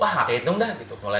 wah nggak kaya hitung dah